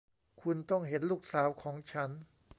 คุณต้องเห็นลูกสาวของฉัน